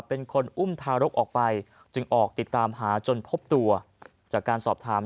เป็นคนอุ้มทารกออกไปจึงออกติดตามหาจนพบตัวจากการสอบถาม